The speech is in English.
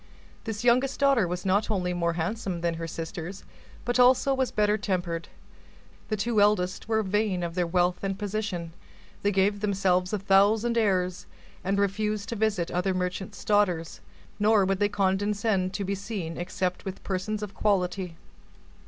This youngest daughter was not only more handsome than her sisters, but also was better tempered. The two eldest were vain of their wealth and position. They gave themselves a thousand airs, and refused to visit other merchants' daughters; nor would they condescend to be seen except with persons of quality.